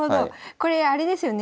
これあれですよね